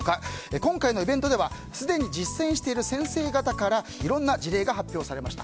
今回のイベントではすでに実践している先生方からいろんな事例が発表されました。